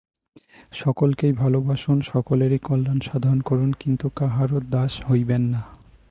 সকলকেই ভালবাসুন, সকলেরই কল্যাণ সাধন করুন, কিন্তু কাহারও দাস হইবেন না।